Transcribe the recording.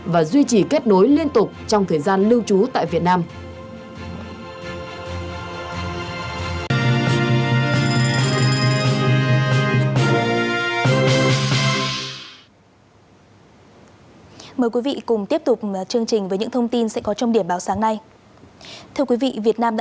và duy trì kết nối liên tục trong thời gian lưu trú tại việt nam